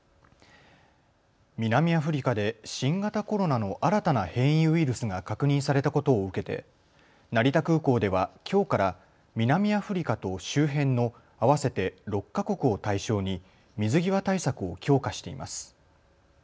南アフリカで新型コロナの新たな変異ウイルスが確認されたことを受けて成田空港では、きょうから南アフリカと周辺の合わせて６か国を対象に水際対策を強化しています。